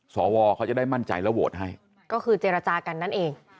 สวเขาจะได้มั่นใจแล้วโหวตให้ก็คือเจรจากันนั่นเอง